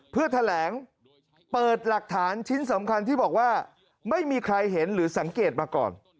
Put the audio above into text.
เพื่อแถลงเปิดหลักฐานชิ้นสำคัญที่บอกว่าไม่มีใครเห็นหรือสังเกตมาก่อน